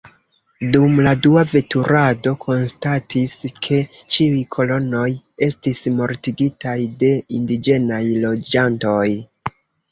Dum la dua veturado konstatis ke ĉiuj kolonoj estis mortigitaj de indiĝenaj loĝantoj.